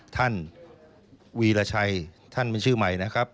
วีรชัยท่านเป็นชื่อใหม่นะครับ